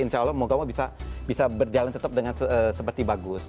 insya allah moga moga bisa berjalan tetap dengan seperti bagus